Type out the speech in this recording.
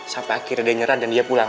sampai akhirnya dia nyerah dan dia pulang